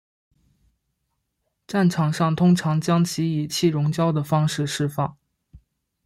战场上通常将其以气溶胶的方式施放。